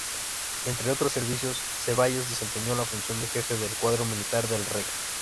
Entre otros servicios, Ceballos desempeñó la función de Jefe del Cuarto Militar del Rey.